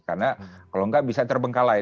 karena kalau enggak bisa terbengkalai